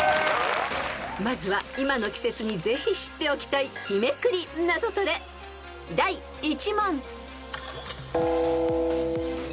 ［まずは今の季節にぜひ知っておきたい日めくりナゾトレ第１問］